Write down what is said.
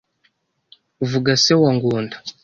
Vuga se wa Ngunda